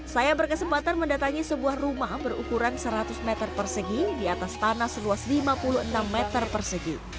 saya berkesempatan mendatangi sebuah rumah berukuran seratus meter persegi di atas tanah seluas lima puluh enam meter persegi